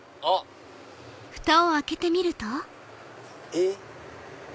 えっ？